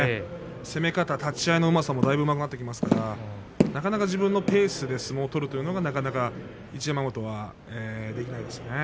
攻め方、立ち合いもだいぶ長くなってきますからなかなか自分のペースで相撲を取るというのが一山本はできないですね。